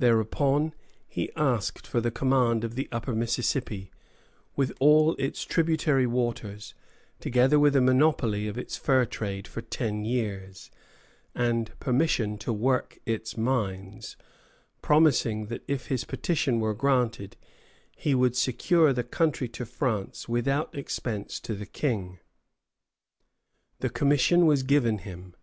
Thereupon he asked for the command of the upper Mississippi, with all its tributary waters, together with a monopoly of its fur trade for ten years, and permission to work its mines, promising that if his petition were granted, he would secure the country to France without expense to the King. The commission was given him.